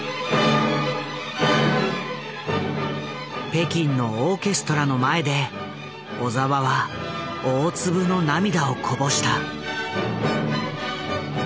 北京のオーケストラの前で小澤は大粒の涙をこぼした。